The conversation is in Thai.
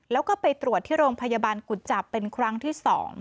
แล้วก็ไปตรวจที่โรงพยาบาลกุจจับเป็นครั้งที่๒